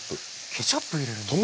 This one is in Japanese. ケチャップ入れるんですね。